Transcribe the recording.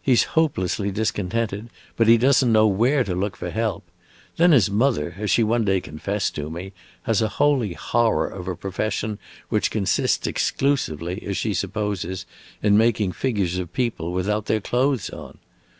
He 's hopelessly discontented, but he does n't know where to look for help. Then his mother, as she one day confessed to me, has a holy horror of a profession which consists exclusively, as she supposes, in making figures of people without their clothes on.